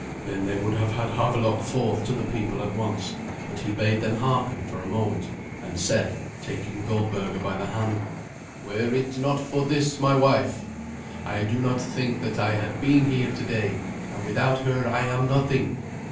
Then they would have had Havelok forth to the people at once; but he bade them hearken for a moment, and said, taking Goldberga by the hand, "Were it not for this my wife, I do not think that I had been here today, and without her I am nothing.